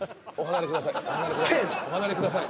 お離れください